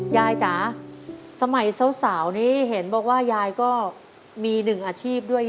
จ๋าสมัยสาวนี้เห็นบอกว่ายายก็มีหนึ่งอาชีพด้วย